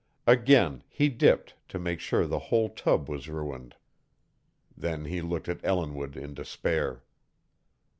Again he dipped to make sure the whole tub was ruined. Then he looked at Ellinwood in despair.